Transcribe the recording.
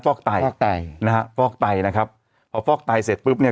อกไตฟอกไตนะฮะฟอกไตนะครับพอฟอกไตเสร็จปุ๊บเนี่ย